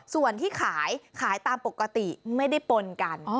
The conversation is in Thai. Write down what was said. ส่วนที่ขายขายตามปกติไม่ได้ปนกัน